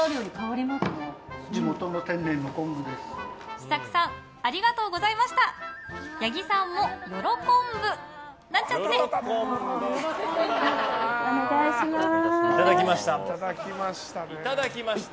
四作さんありがとうございました。